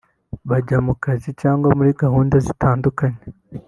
bajya ku kazi cyangwa muri gahunda zitandukanye